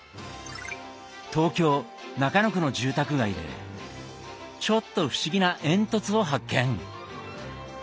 東京・中野区の住宅街でちょっと不思議な煙突を発見！